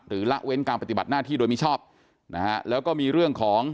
หรือละเอเว้นการปฏิบัติหน้าที่โดยมีชอบแล้วก็มีเรื่องของ